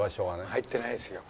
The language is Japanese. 入ってないですよ。